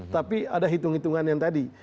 tapi ada hitung hitungan yang tadi